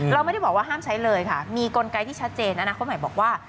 เราไม่ได้บอกว่าห้ามใช้เลยค่ะมีกลไกที่ชัดเจนอนาคตใหม่บอกว่า